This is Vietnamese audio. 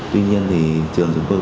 tuy nhiên thì trường chúng tôi